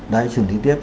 đấy xử lý tiếp